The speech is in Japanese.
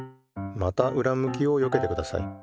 またうらむきをよけてください。